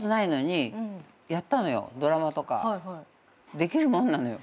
できるもんなのよ。